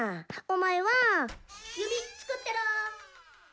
お前は弓作ってろ。